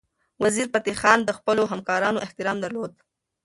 وزیرفتح خان د خپلو همکارانو احترام درلود.